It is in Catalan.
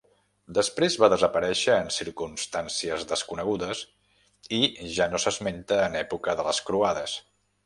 Després va desaparèixer en circumstàncies desconegudes, i ja no s'esmenta en època de les Croades.